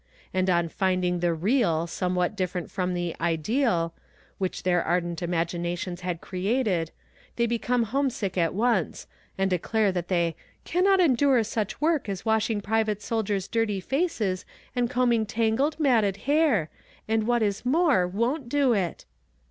and on finding the real somewhat different from the ideal, which their ardent imaginations had created, they become homesick at once, and declare that they "cannot endure such work as washing private soldiers' dirty faces and combing tangled, matted hair; and, what is more, won't do it."